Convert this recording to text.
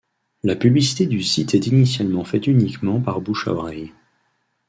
La publicité du site s'est initialement faite uniquement par bouche à oreille.